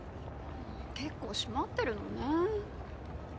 結構閉まってるのね。